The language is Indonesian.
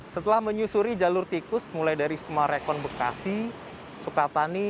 setelah menyusuri jalur tikus mulai dari sumarekon bekasi sukatani